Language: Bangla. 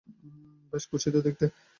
বেশ কুৎসিত দেখতে।